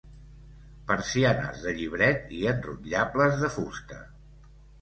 Persianes de llibret i enrotllables de fusta.